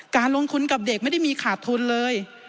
การลงทุนกับเด็กไม่ได้มีขาดทุนเลย